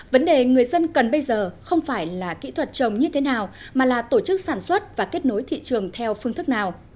vấn đề người dân cần bây giờ không phải là kỹ thuật trồng như thế nào mà là tổ chức sản xuất và kết nối thị trường theo phương thức nào